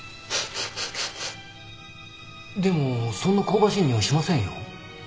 でもそんな香ばしいにおいしませんよ？